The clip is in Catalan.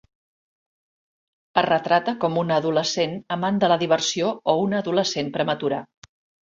Es retrata com una adolescent amant de la diversió o una adolescent prematura.